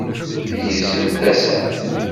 tgezzem tasa.